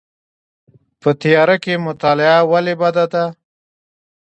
په تیاره کې مطالعه ولې بده ده؟